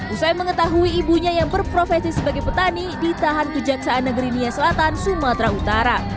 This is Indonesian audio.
usai mengetahui ibunya yang berprofesi sebagai petani ditahan kejaksaan negeri nia selatan sumatera utara